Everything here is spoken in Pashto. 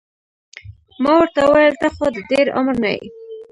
ما ورته وویل ته خو د ډېر عمر نه یې.